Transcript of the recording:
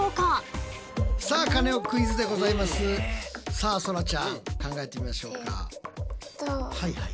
さあそらちゃん考えてみましょうか。